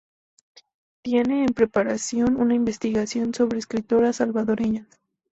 Tiene en preparación una investigación sobre escritoras salvadoreñas.